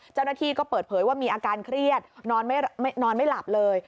เจ้าหน้าที่ก็เปิดเผยว่ามีอาการเครียดนอนไม่หลับเลย